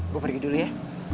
gue pergi dulu ya